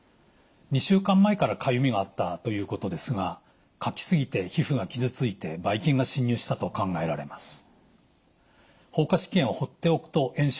２週間前からかゆみがあったということですがかき過ぎて皮膚が傷ついてばい菌が侵入したと考えられます。